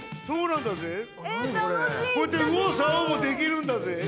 そうなんだぜ。